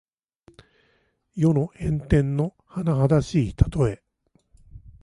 世の変転のはなはだしいたとえ。